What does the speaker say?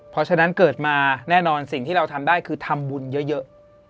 เพราะฉะนั้นเกิดมาแน่นอนสิ่งที่เราทำได้คือทำบุญเยอะ